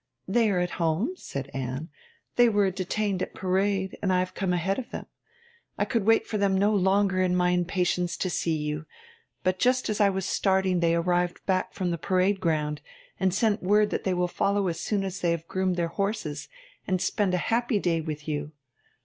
'They are at home,' said Anne. 'They were detained at parade, and I have come ahead of them. I could wait for them no longer in my impatience to see you; but just as I was starting they arrived back from the parade ground, and sent word that they will follow as soon as they have groomed their horses, and spend a happy day with you.'